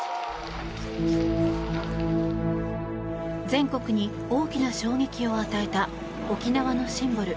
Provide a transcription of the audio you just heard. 全国に大きな衝撃を与えた沖縄のシンボル